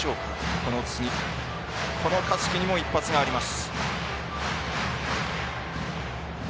この次この香月にも１発があります。